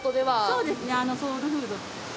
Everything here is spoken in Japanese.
そうですね。